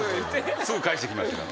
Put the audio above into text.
すぐ返してきましたから。